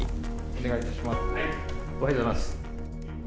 おはようございます。